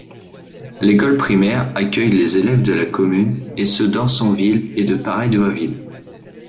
L'école primaire accueille les élèves de la commune et ceux d'Orsonville et de Paray-Douaville.